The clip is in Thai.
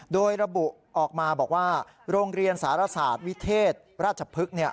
โดยระบุออกมาบอกว่าโรงเรียนสารศาสตร์วิเทศราชพฤกษ์